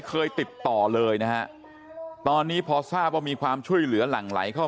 เคยติดต่อเลยนะฮะตอนนี้พอทราบว่ามีความช่วยเหลือหลั่งไหลเข้า